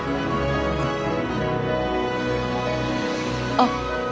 あっ。